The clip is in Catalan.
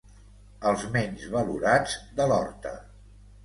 Els menys valorats de l'horta.